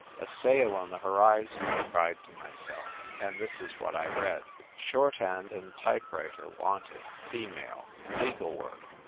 "A sail on the horizon!" I cried to myself. And this is what I read —" Shorthand and Type writer wanted (female). Legal work.